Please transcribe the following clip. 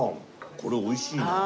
これおいしいな。